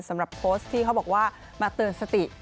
สำหรับโพสต์ที่เขาบอกว่ามาเตือนสติ